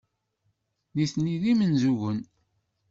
Nitni d imenzugen.